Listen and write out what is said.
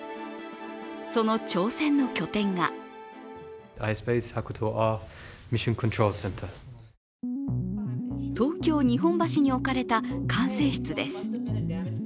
その挑戦の拠点が東京・日本橋に置かれた管制室です。